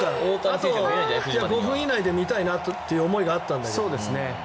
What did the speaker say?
あと５分以内で見たいなという思いがあったんだけど。